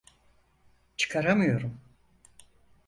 Çıkaramıyorum.